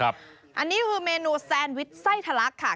อันนี้คือเมนูแซนวิชไส้ทะลักค่ะ